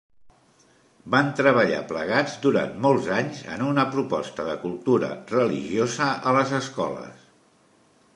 Van treballar plegats durant molts anys en una proposta de cultura religiosa a les escoles.